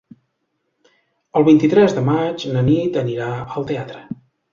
El vint-i-tres de maig na Nit anirà al teatre.